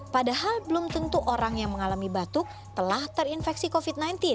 padahal belum tentu orang yang mengalami batuk telah terinfeksi covid sembilan belas